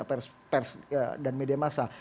pers dan media masa